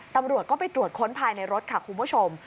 ตำรวจก็ไปตรวจค้นภายในรถค่ะคุณผู้ชม